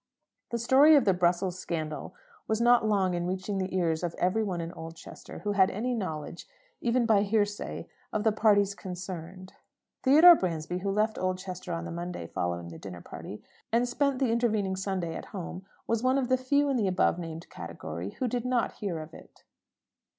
The story of the Brussels scandal was not long in reaching the ears of every one in Oldchester who had any knowledge, even by hearsay, of the parties concerned. Theodore Bransby, who left Oldchester on the Monday following the dinner party, and spent the intervening Sunday at home, was one of the few in the above named category who did not hear of it.